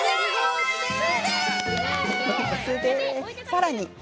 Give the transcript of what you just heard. さらに。